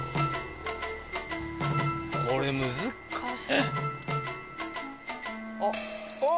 これ難しい。